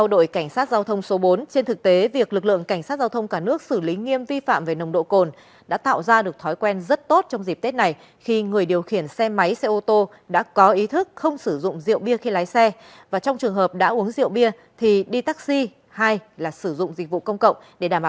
đối với các vi phạm về nồng độ cồn trong dịp đầu xuân năm mới cán bộ chiến sĩ đội cảnh sát giao thông số bốn khi làm nhiệm vụ đã được quán triệt và tuân thủ nghiêm không có ngoại lệ